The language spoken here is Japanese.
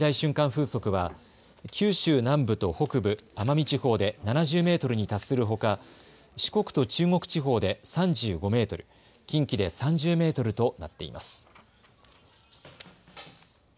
風速は九州南部と北部、奄美地方で７０メートルに達するほか、四国と中国地方で３５メートル、近畿で３０メートルとなっています。